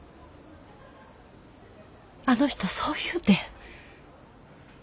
あの人そう言うてん。